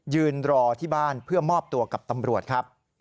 ยืนรอที่บ้านเพื่อมอบตัวกับตำรวจครับ